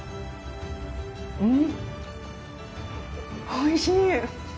おいしい。